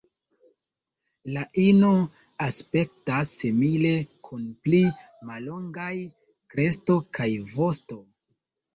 La ino aspektas simile, kun pli mallongaj kresto kaj vosto.